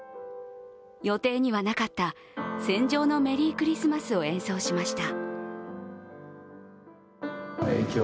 予定にはなかった「戦場のメリークリスマス」を演奏しました。